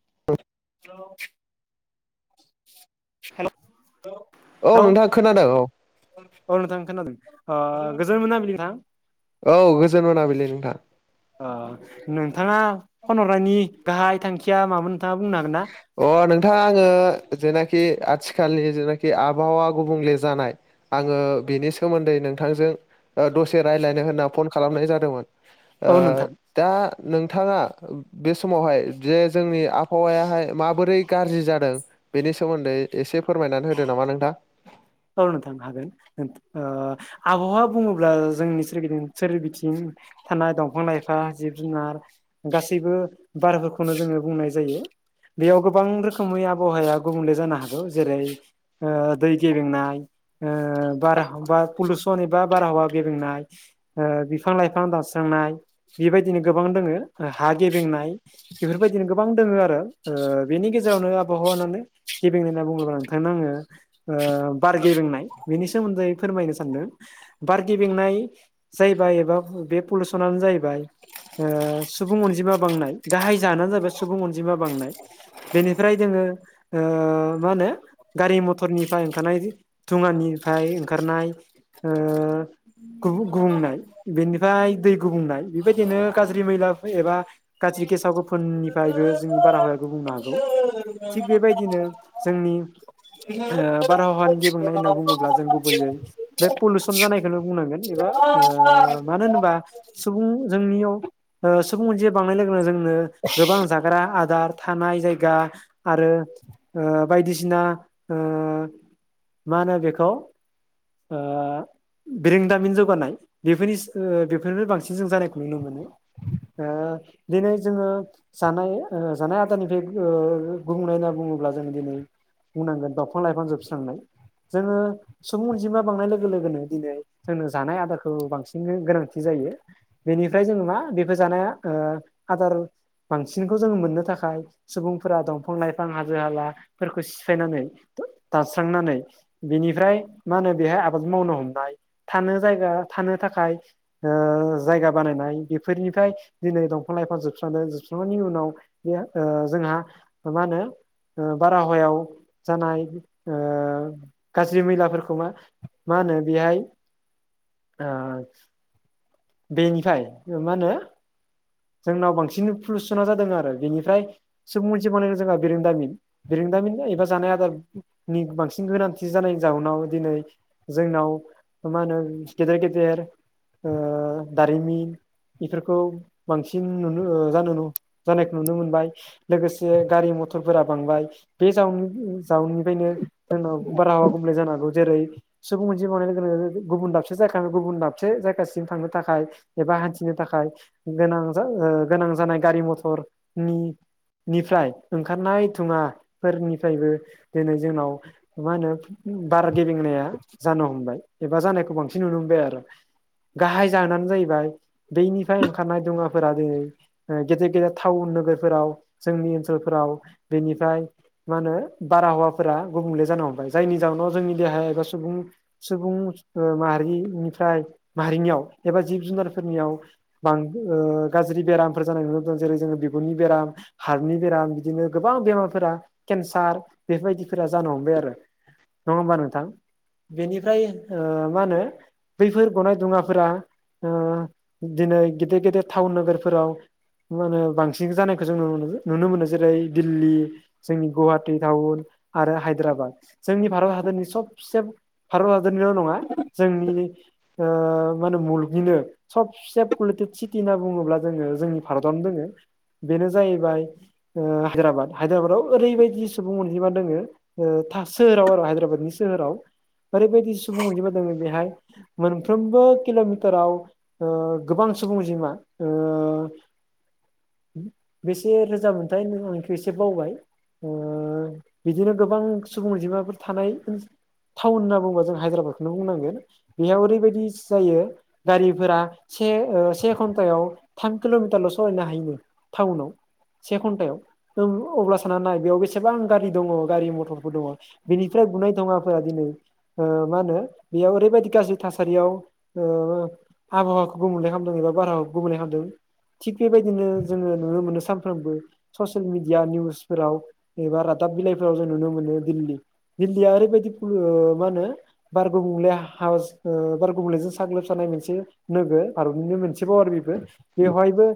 [inaudible] हेल' औ हेल' नोंथां खोनादों औ। औ नोंथां खोनादों ओ गोजोन मोनाबिलि नोंथां। औ गोजोन मोनाबिलि नोंथां। अ नोंथाङा फन हरनायनि गाहाय थांखिया मामोन नोंथाङा बुंनो हागोन ना? अ नोंथां ओ जेनाखि आथिखालनि जेनाखि आबहावा गुबुंले जानाय आङो बेनि सोमोन्दै नोंथांजों ओ दसे रायलाय नो होन्ना फन खालामनाय जादोंमोन। ओ औ नोंथां दा नोंथाङा बे समावहाय जे जोंनि आबहावायाहाय माबोरै गाज्रि जादों बेनि सोमोनदै एसे फोरमायनानै होदो नामा नोंथां? औ नोंथां हागोन ओ आबहावा बुङोब्ला जोंनि सोरगिदिं सोरबिथिं थानाय दंफां लाइफां जिब जुनार गासैबो बारफोरखौनो जोङो बुंनाय जायो। बेयाव गोबां रोखोमै आबहावाया गुबुंले जानो हागौ जेरै ओ दै गेबेंनाय ओ बार पुलसन एबा बारहावा गेबेंनाय ओ बिफां लाइफां दानस्रांनाय बेबायदिनो गोबां दोङो ओ हा गेबेंनाय बेफोरबायदिनो गोबां दङो आरो ओ बेनि गेजेराव गेरावनो आबहावा होननानै गेबें‌ होनना बुङोबा नोंथांनो आङो ओ बार गेबेंनाय बेनि सोमोनदै फोरमायनो सानदों बार गेबेंनाय जायबा बा बे पलुसननो जाहैबाय ओ सुबुं अनजिमा बांनाय गाहाय जानायानो जाबाय सुबुं अनजिमा बांनाय बेनिफ्राय जोङो ओ मा होनो गारि मथर नि फ्राय ओंखारनाय दुङानिफ्राय ओंखारनाय ओ गुबुं गुबुंनाय बेनिफ्राय दै गुबुंनाय बेबायदिनो गाज्रि मैला एबा गाज्रि गेसाव गोफोननिफ्राय जोंनि बारहावाया गुबुंनो हागौ थिग बेबायदिनो जोंनि ओ बारहावानि गेबेंनाय होनना बुङोब्ला जों गुबैयै बे पलुसन जानायखौनो बुंनांगोन एबा ओ ओ मानो होनोबा सुबुं जों जोंनियाव ओ सुबुं अनजिाया बांनाय लोगोनो जोंनो गोबां जाग्रा आदार थानाय जायगा आरो ओ बायदिसिना ओ मा होनो बेखौ ओ बिरोंदामिन जौगानाय बेफोरनि बेफोरनिनो बांसिन जों जानायखौ नुनो मोनो। ओ दिनै जोङो जानाय जानाय आदारनिफ्राय गुबुंनाय होनना बुङो बुङोब्ला जोङो दिनै बुंनांगोन दंफां लाइफां जोबस्रांनाय। जोङो सुबुं अनजिमा बांनाय लोगो लोगोनो दिनै जोंनो जानाय आदारखौ बांसिन गोनांथि जायो। यो बेनिफ्राय जों मा बेफोर जानाया ओ आदार बांसिनखौ जोङो मोननो थाखाय सुबुंफोरा दंफां लाइफां हाजो हालाफोरखौ सिफायनानै दास्रांनानै बेनिफ्राय मा होनो बेहाय आबाद मावनो हमनबाय थानो जायगा थानो थाखाय ओ जायगा बानायनाय बेफोरनिफ्राय दिनै दंफां लाइफां जोबस्रां उनाव जोंहा मा होनो ओ बारहायाव जानाय ओ गाज्रि मैलाफोरखौ मा मा होनो बेहाय आ बेनिखाय मा होनो? जोंनाव बांसिन पलुसना जादों आरो बेनिफ्राय सुबुं मोनसे बनायदों जोंहा बिरोंदामिन बिरों दामिन एबा जानाय आदारनि बांसिन गोनांथि जानायनि जउनाव दिनै जोंनाव मानो गेदेर गेदेर आ दारिमिन बेफोरखौ बांसिन नुनो जानो जानायखौ नुनो मोनबाय लोगोसे गारि म मथरफोरा बांबाय बे जाउन जाउननिफ्रायनो जोंनाव बारहावा गुबुंले जानो हागौ। जेरै सुबुं मोनसे मावनाय लोगो गुबुन दाबसे जायगा गुबुन दाबसे जायगासिम थांनो थाखाय एबा हान्थिनो थाखाय गोनां गोनां जानाय गारि मथरनि निफ्राय ओंखारनाय थुङा फोरनिफ्रायबो दिनै जोंनाव मा होनो बार गेबेंनाया जानो हमबाय एबा जानायखौ बांसिन नुनो मोनबाय आरो गाहाय जाहोनानो जाहैबाय बैनिफ्राय ओंखारनाय दुङाफोरा दिनै ओ गेदेर गेदेर टाउन नोगोरफोराव जोंनि ओनसोलफोराव बेनिफ्राय मा होनो बारहावा गुबुंले जानो हमबाय जायनि जाहोनाव जोंनि देहा एबा सुबुं सुबुं माहारि ओमफ्राय मारिनियाव एबा जिब जुनारफोरनियाव बां ओगाज्रि बेरामफोर जानाय नुनो मोनदों जेरै जोङो बिगुरनि बेराम हार्टनि बेराम बिदिनो गोबां बेमारफोरा केन्सार बेफोरबायदिफोरा जानो हमबाय आरो। नङा होमबा नोंथां बेनिफ्राय ओ मा होनो बैफोर गनाय दुङाफोरा ओ दिनै गेदेर गेदेर टाउन नोगोरफोराव मा होनो बांसिन जानायखौ जों नु नुनो मोनो जेरै दिल्ली जोंनि गुवाटि टाउन आरो हायद्राबाद जोंनि भारत हादरनि सबसे भारत हादरनिल' नङा जोंनि ओ मानो मुलुग निनो सबसे पलुटेड सिटि होनना बुङोब्ला जोङो जोंनि भारतावनो दोङो बेनो जाहैबाय ओ हायद्राबाद। हायद्राबादाव ओरैबायदि सुबुं अनजिमा दोङो ओ था सोहोराव आरो हायद्राबादनि सोहोराव। ओरैबायदि सुबुं अनजिमा दोङो बेहाय मोनफ्रोमबो किल'मि फोराव ओ गोबां सुबुं अनजिमा ओ बेसे रोजा मोनथाय नों आंथ' एसे बावबाय। ओ बिदिनो गोबां सुबुं अनजिमाफोर थानाय ओनस टाउन होनना बुंङोबा जों हायद्राबादखोनो बुंनांगोन। बेयाव ओरैबायदि जायो गारिफोरा से ओ से घन्टायाव थाम किल'मिटारल' सलायनो हायोनो टाउनाव। से घन्टायाव ओ अब्ला सान्ना नाय बेयाव बेसेबां गारि दङ गारि मथरफोर दङ बेनिफ्रा गुनाय दुङाफोरा दिनै ओ मा होनो बेयाव ओरैबायदि गाज्रि थासारियाव ओ आबहावाखौ गुबुंले खालामदों एबा बारहावाखौ गुबुंले खालामदों। थिग बेबायदिनो जोङो नुनो मोनो सानफ्रोमबो ससियेल मिडिया निउसफोराव एबा रादा दाब बिलाइफोराव जों नुनो मोनो दिल्ली दिल्लीया ओरैबायदि फुलु ओ मा होनो बार गुबुंले हास ओ बार गुबुलेजों साग्लोबसानाय मोनस से नोगोर भारतनिनो मोनसेबाव आरो बेबो बेवहायबो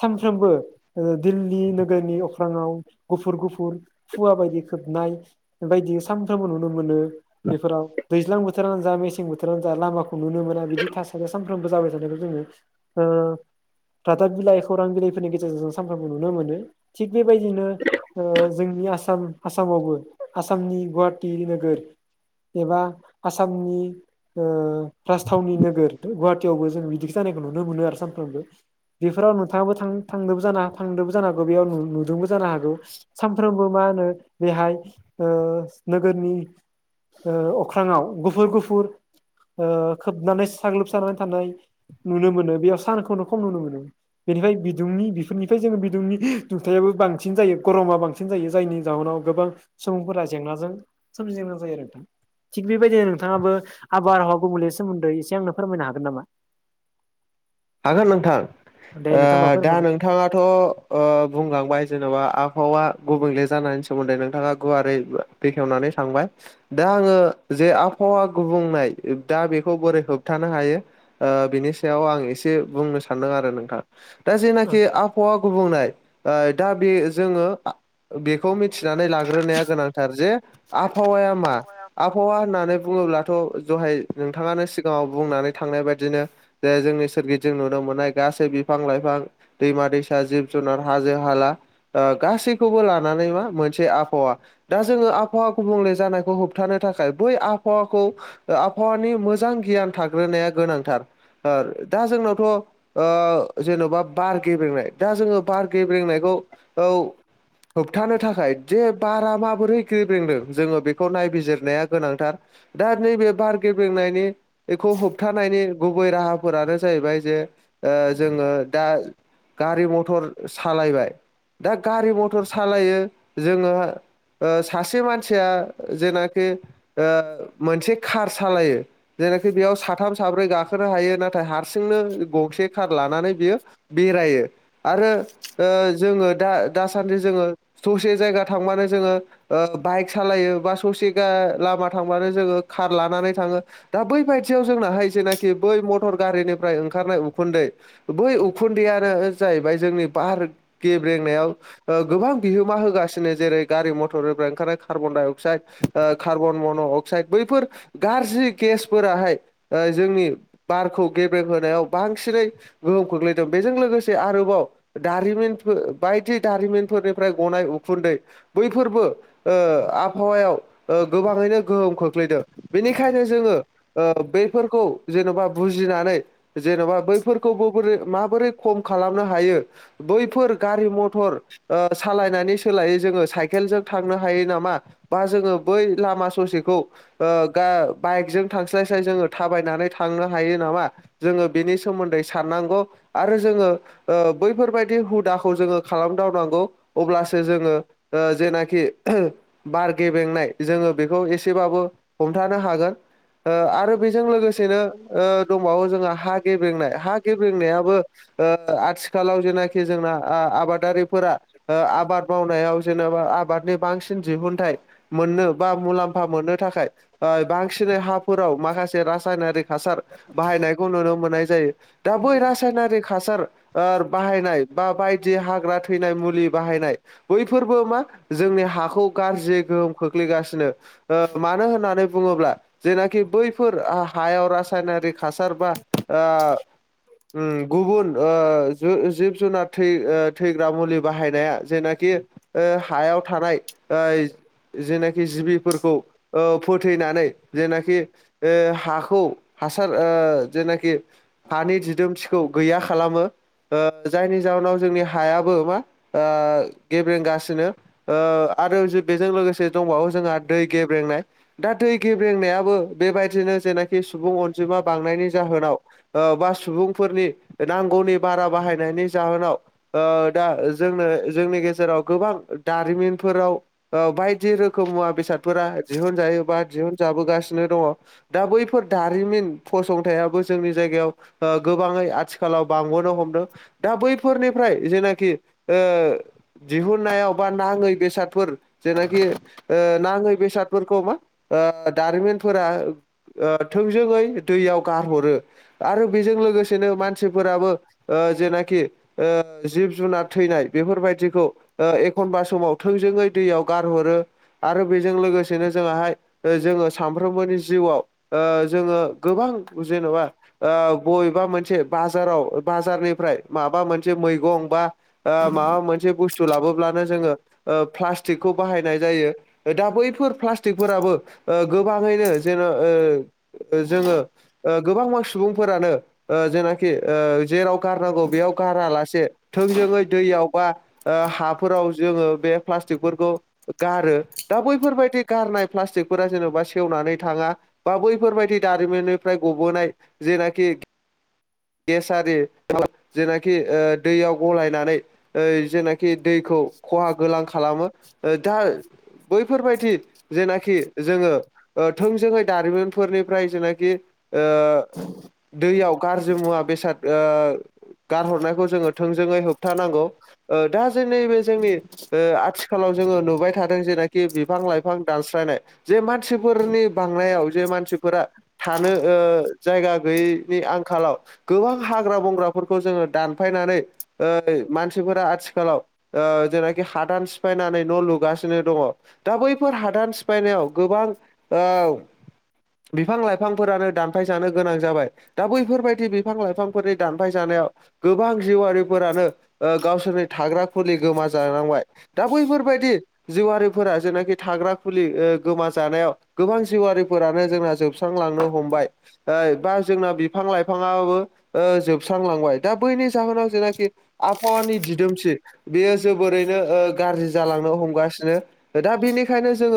सानफ्रोमबो ओ दिल्ली नोगोरनि अख्राङाव गुफुर गुफुर फुवा बायदि खो खोबनाय बायदि सानफ्रामबो नुनो मोनो बेफोराव दैज्लां बोथोरानो जा मेसें बोथोरानो जा लामाखौ नुनो मोना बिदि थासारिया सानफ्रामबो जाबाय थानायखौ जोङो ओ रादाब बिलाइ खौरां बिलाइफोरनि गेजेरजों जों सानफ्रोमबो नुनो मोनो। थिग बेबायदिनो ओ जों नि आसाम आसामावबो आसामनि गुहाटि नोगोर एबा आसामनि ओ राजथावनि नोगोर गुवाहाटियावबो जों बिदिखो जानायखौ नुनो मोनो आरो सामफ्रामबो। बेफोराव नोंथाङाबो थां-थांदोबो जानो थांदोंबो जानो हागौ बेयाव नुदोंबो जानो हागौ सानफ्रोमबो मा होनो बेहाय ओ नोगोरनि ओ अख्राङाव गुफुर गुफुर ओ खोबनानै साग्लोबसानानै थानाय नुनो मोनो बेयाव सानखौनो खम नुनो मोनो बेनिफ्राय बिदुंनि बेफोरनिफ्राय जोङो बिदुंनि [unintelligible] दुंथायाबो बो बांसिन जायो गरमा बांसिन जायो जायनि जाहोनाव गोबां सुबुंफोरा जेंनाजों सोमजिनो गोनां जायो आरो नोंथां। थिग बेबायदिनो नोंथाङाबो आब बारहावा गुबुंले सोमोन्दै एसे आंनो फोरमायनो हागोन नामा? हागोन नोंथां दे ओ नोंथां होमबा दा फोरमायनाय नोंथाङाथ ओ बुंलांबाय जेनबा आब हावा गुबुंले जानायनि सोमोन्दै नोंथाङा गुवारै बेखेवनानै थांबाय। दा आङो जे आबहावा गुबुंनाय दा बेखौ बोरै होबथानो हायो ओ बेनि सायाव आं एस से बुंनो सानदों आरो नोंथां। दा ओ जेनाखि आबहावा गुबुंनाय ओ दा बे जोङो आ बेखौ मि थिनानै लाग्रोनाया गोनांथार जे आबहावाया मा आबहावा होननानै बुङोब्लाथ' दहाय नोंथाङानो सिगाङाव बुंनानै थांनाय बादिनो जे जोंनि सोरगि जों नुनो मोननाय गासै बिफां लाइफां दैमा दैसा जिब जुनार हाजो हाला ओ गास सैखौबो लानानै मा मोनसे आबहावा दा जोङो आबहावा गुबुंले जानायखौ होबथानो थाखाय बै आबहावाखौ ओ आबहावानि मोजां गियान थाग्रोनाया गोनांथार ओ दा जोंनाव थ ओ जेन'बा बार गेब्रेंनाय दा जोङो बार गेब्रेंनायखौ औ होबथानो थाखाय जे बारा माबोरै ग्रेब्रेंदों जोङो बेखौ नायबिजिरनाया गोनांथार। दा नैबे बार गेब्रेंनायनि एखौ होबथानायनि गुबै राहाफोरानो जाहैबाय जे ओ जोङो दा गारि मथर सालायबाय दा गारि मथर सालायो जोङो ओ सासे मानसिया जेनाखि ओ मोनसे कार सालायो जेनाखि बेयाव साथाम साब्रै गाखोनो हायो नाथाय हारसिंनो गंसे कार लानानै बियो बेरायो आरो ओ जोङो दा दासान्दि जोङो ससे जायगा थांबानो जोङो ओ बाइक सालायो बा सस थिगा लामा थांबानो जोङो खार लानानै थाङो दा बै बायदियाव जोंनाहाय जेनाख बै मट टर गारिनिफ्राय ओंखारनाय उखुन्दै बै उखुन्दैयानो जाहैबाय जोंनि बार गेब्रेंनायाव ओ गोबां बिहोमा होगास नो जेरै गारि मथरनिफ्राय ओंखार कार्बन डाइअक्साइड ओ कार्बन मन' अक्साइड बैफोर गा रजि गेस फोराहाय ओ जोंनि बारखौ गेब्रे होनायाव बांसिनै गोहोम खोख्लैदों बेजों लोगोसे आरोबाव दारिमिनफो बायदि दारिमिनफोरनिफ्राय गनाय उखुन्दै बैफोरबो ओ आबहावायाव ओ गोबाङैनो गोहोम खोख्लैदों। बेनिखायनो जोङो ओ बैफोरखौ जेन'बा बुजि नाय जेन'बा बैफोरखौबो बोरै माबोरै खम खालामनो हायो बैफोर गारि मथर ओ सालायनानै सोलायै जोङो साइकेल जों थांनो हायो नामा बा जोङो बै लामा सस सेखौ ओ गा बाइकजों थांस्लाय स्लाय जोङो थाबायनानै थांनो हायो नामा जोङो बिनि सोमोन्दै साननांगौ आरो जोङो ओ बैफोरबायदि हुदाखौ जोङो खालाम दावनांगौ अब्लासो जोङो ओ जेनाखि बार गेब्रेंनाय जोङो बेखौ एसेबाबो हमथानो हागोन ओ आरो बेजों लोगोसेनो ओ दंबावो जोंहा हा गेब्रेंनाय हा गेब्रेंनायाबो ओ आथिखालाव जेनाखि जोंना ओ आबादारिफोरा ओ आबाद मावनायाव जेनेबा आबादनि बांसिन दिहुनथाइ मोननो बा मुलाम्फा मोननो थाखाय ओ बांसि नै हाफोराव माखासे रासायनारिक हासार बाहायनायखौ नुनो मोननाय जायो। दा बै रायनारिक हासार आर बाहायनाय बा बायदि हाग्रा थैनाय मुलि बाहायनाय बैफोरबो मा जोंनि हाखौ गारज्रियै गोहोम खोख्लैगासिनो। ओ मानो होननानै बुङोब्ला जेना खि बैफोर आ हायाव रासायनारिक हासार बा ओ उम गुबुन ओ जो जिब जुनाद थै ओ थैग्रा मुलि बाहायनाया जेनाख खि ओ हायाव थानाय ओइ जेनाखि जिबिफोरखौ ओ फोथैनानै जेनाखि ओ हाखौ हासार ओ जेनाखि हानि दिदोमथिखौ गैया खालामो। ओ जायनि जाहोनाव जोंनि हायाबो मा ओ गेब्रेंगासिनो ओ आरो जो बेजों लोगोसे दंबावो जोंहा दै गेब्रेंनाय। दा दै गेब्रेंनायाबो बेबायदिनो जेना खि सुबुं अनजिमा बांनायनि जाहोनाव ओ बा सुबुंफोरनि नांगौनि बारा बाहायनायनि जाहोनाव ओ दा जों जोंनि गेजेराव गोबां दारिमिनफोराव ओ बायदि रोखोम मुवा बेसाद सादफोरा दिहुन जायैबा दिहुन जाबोगासिनो दङ। दा बैफोर दारिमिन फसं थायाबो जोंनि जायगायाव ओ गोबांङै आथिखालाव बांबोनो हमदों दा बैफोरनिफ्राय जेन नाखि ओ दिहुननायाव बा नांङै बेसादफोर जेनाखि ओ नाङै बेसादफोरखौ मा ओ दारिमिन फोरा ओ थोंजोङै दैआव गारहरो आरो बेजों लोगोसेनो मानसिफोराबो ओ जेनाखि ओ जि जिब जुनाद थैनाय बेफोरबायदिखौ ओ एखनबा समाव थोंजोङै दैयाव गारहरो आरो बेजों लोगोसेनो जोंहाय जोंङो सानफ्रोमबोनि जिउआव जोंङो गोबां उ जेन'बा ओ बबेबा मोनसे बाजाराव बाजारनिफ्राय माबा मोनसे मैगं बा ओ माबा मोनसे बुसथु लाबोनो जोङो ओ प्लासटिक खौ बाहायनाय जायो। दा बैफोर प्लास्टिकफोराबो ओ गोबांङैनो जेन' ओ ओ जोङो ओ गोबांबा सुबुंफोरानो ओ जेनाखि ओ जेराव गारनांगौ बेयाव गारालासे थोंजोङै दैयाव वा ओ हाफोराव जोंङो बे प्लास्टिक फोरखौ गारो। दा बैफोरबायदि गार नाय प्लास्टिक फोरा जेन'बा सेवनानै थांङा बा बैफोर बायदि दारिमिनो फ्राय गबोनाय जेनाखि गेसारि जेनाखि ओ दैयाव गलायनानै ओ जेनाखि दैखौ खहा गोनां खालामो। दा बैफोरबायदि जेनाखि जोंङो थोंजोङै दारिमिनफोरनिफ्राय जेनाखि ओ दैयाव गाज्रि मुवा बेसाद गारहरनायखौ जोंङो थोंजोङै होबथानांगौ दा जों नैबे जोंनि आथिखालाव जोंङो नुबाय थादों जेनाखि बिफां लाइफां दानस्रायनाय जे मानसिफोरनि बांनायाव जे मानसि मानसिफोरा थानो जायगा गैयैनि आंखालाव गोबां हाग्रा बंग्राफोरखौ जोंङो दानफायनानै मानसिफोरा आथिखालाव जेनाखि हादान सिफायनानै न' लुगासिनो दंङो दा बैफोर हादान सिफायनायाव गोबां बिफां लाइफांफोरानो दानफाय जानो गोनां जाबाय दा बैफोरबायदि बिफां लाइफांफोरनि दानफाय जानायाव गोबां जिउआरारिफोरानो गावसोरनि थाग्रा खुलि गोम जानांबाय दा बैफोरबायदि जिउआारिफोरा जेनाखि थाग्रा खुलि गोम जानायाव गोबां जिउारिफोरानो जोंना जोबस्रांलांनो हमबाय बा जोंना बिफां लाइफां बिफाङाबो जोबस्रांलांबाय दा बैनि जाहोनाव जेनाखि आबहावानि दिदोमथि बेयो जोबोरैनो गाज्रि जालांनो हमगासिनो दा बेनिखायनो जोंङो